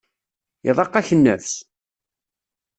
Iḍaq-ak nnefs?